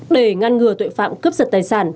để ngăn ngừa tội phạm cướp giật tài sản